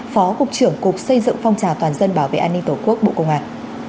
phó cục trưởng cục xây dựng phong trào toàn dân bảo vệ an ninh tổ quốc bộ công an